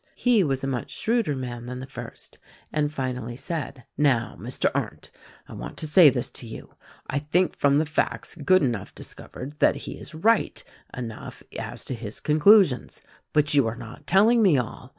He was a much shrewder man than the first, and finally said, "Now, Mr. Arndt, I want to say this to you: I think from the facts Goodenough discovered that he is right enough as to his conclusions; but you are not telling me all.